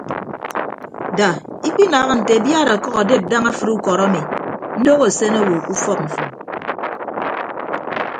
Da ikpinaaha nte abiad ọkʌk adep daña afịd ukọd ami ndoho asen owo ke ufọk mfo.